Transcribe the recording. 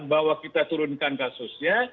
bahwa kita turunkan kasusnya